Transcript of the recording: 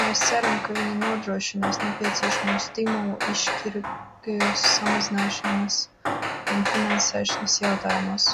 Mēs ceram, ka viņi nodrošinās nepieciešamo stimulu izšķirīgajos samazināšanas un finansēšanas jautājumos.